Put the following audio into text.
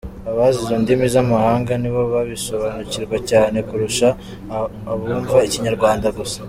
Abazi izo ndimi z’amahanga nibo babisobanukirwa cyane kurusha abumva Ikinyarwanda gusa.